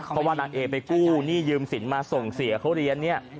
เพราะว่านางเอไปกู้หนี้ยืมสินมาส่งเสียเขาเรียนเนี่ย